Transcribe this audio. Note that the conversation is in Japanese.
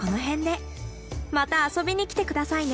また遊びにきて下さいね。